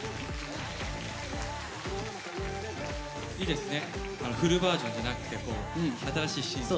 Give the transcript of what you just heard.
いいですねフルバージョンじゃなくて新しい。